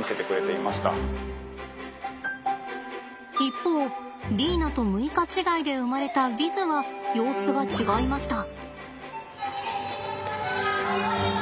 一方リーナと６日違いで生まれたヴィズは様子が違いました。